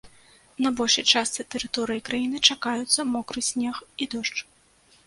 На большай частцы тэрыторыі краіны чакаюцца мокры снег і дождж.